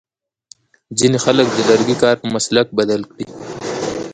ځینې خلک د لرګي کار په مسلک بدل کړی.